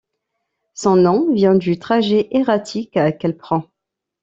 Son nom vient du trajet ératique qu’elle prend.